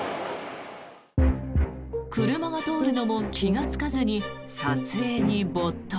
車が通るのも気がつかずに撮影に没頭。